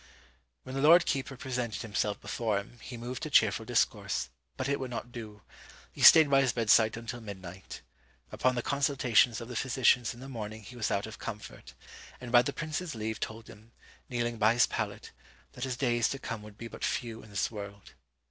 "When the lord keeper presented himself before him, he moved to cheerful discourse, but it would not do. He stayed by his bedside until midnight. Upon the consultations of the physicians in the morning he was out of comfort, and by the prince's leave told him, kneeling by his pallet, that his days to come would be but few in this world.